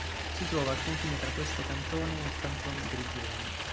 Si trova al confine tra questo cantone e il Canton Grigioni.